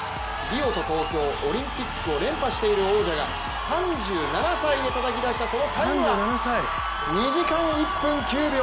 リオと東京、オリンピックを連覇している王者が３７歳でたたき出したそのタイムは２時間１分９秒！